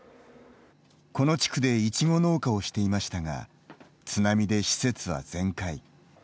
この地区でイチゴ農家をしていましたが津波で施設は全壊。